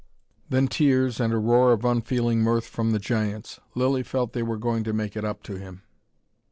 Then tears, and a roar of unfeeling mirth from the giants. Lilly felt they were going to make it up to him.